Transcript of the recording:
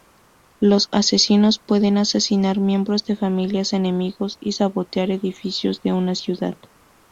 Los asesinos pueden asesinar miembros de familias enemigos y sabotear edificios de una ciudad.